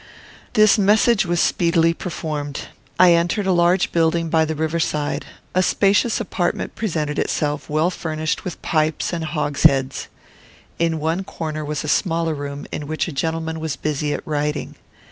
This message was speedily performed. I entered a large building by the river side. A spacious apartment presented itself, well furnished with pipes and hogsheads. In one corner was a smaller room, in which a gentleman was busy at writing.